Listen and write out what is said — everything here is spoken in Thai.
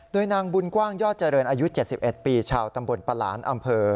โดยนางบุญกว้างยอดเจริญอายุเจ็ดสิบเอ็ดปีชาวตำบลประหลานอำเภอ